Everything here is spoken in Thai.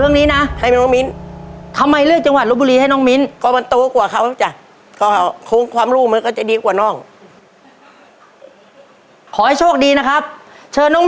นับไปนับเดินไปนิ่ง